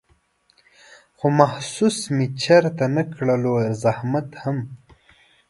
خو محسوس مې چېرته نه کړلو زحمت هم